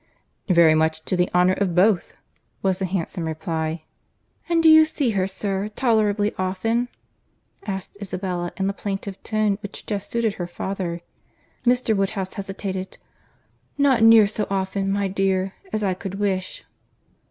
"Very much to the honour of both," was the handsome reply. "And do you see her, sir, tolerably often?" asked Isabella in the plaintive tone which just suited her father. Mr. Woodhouse hesitated.—"Not near so often, my dear, as I could wish."